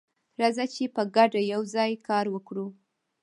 راځه چې په ګډه یوځای کار وکړو.